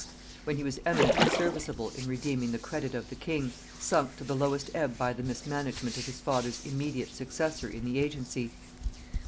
when he was eminently serviceable in redeeming the credit of the king, sunk to the lowest ebb by the mismanagement of his father's immediate successor in the agency.